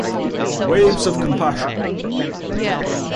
Waves of Compassion...